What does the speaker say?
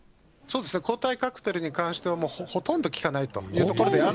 そうですね、抗体カクテルに関しては、ほとんど効かないということで。